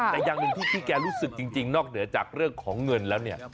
แต่อย่างหนึ่งที่พี่แกรู้สึกจริงนอกเหนือจากเรื่องของเงินแล้วเนี่ย